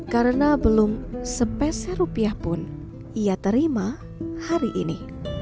karena belum sepeserupiah pun ia terima hari ini